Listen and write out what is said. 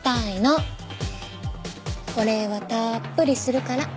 お礼はたっぷりするから。